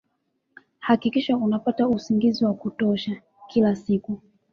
Hakikisha unapata usingizi wa kutosha kila siku